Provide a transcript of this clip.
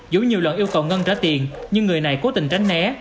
dù nhiều lần yêu cầu ngân trả tiền nhưng người này cố tình tránh né